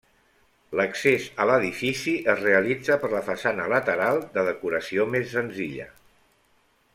L'accés a l'edifici es realitza per la façana lateral, de decoració més senzilla.